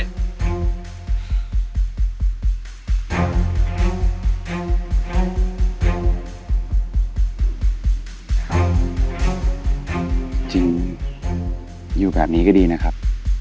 จริงอยู่แบบนี้ก็ดีนะครับ